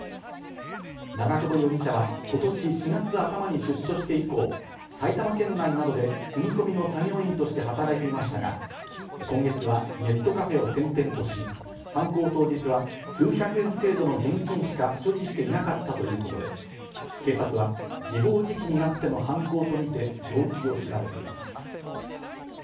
長久保容疑者は今年４月頭に出所して以降、埼玉県内などで住み込みの作業員として働いていましたが、今月はネットカフェを転々とし、犯行当日は数百円程度の現金しか所持していなかったということで、警察は自暴自棄になっての犯行とみて動機を調べています。